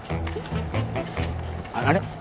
あれ？